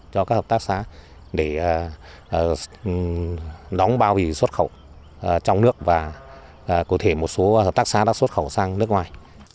đó là các hợp tác xã để đóng bao vị xuất khẩu trong nước và cụ thể một số hợp tác xã đã xuất khẩu sang nước ngoài